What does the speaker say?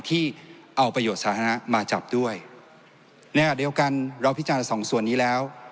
ที่เอาประโยชน์สาธารณะมาจับด้วยในขณะเดียวกันเราพิจารณสองส่วนนี้แล้ว